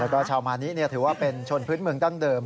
แล้วก็ชาวมานิถือว่าเป็นชนพื้นเมืองดั้งเดิม